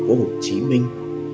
của hồ chí minh